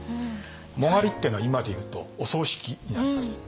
殯っていうのは今で言うとお葬式になります。